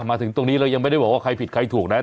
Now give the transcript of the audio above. มาถึงตรงนี้เรายังไม่ได้บอกว่าใครผิดใครถูกนะ